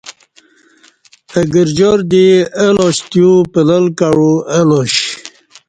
اہ گرجار دی اہ لاش تیو پلال کعو الا ش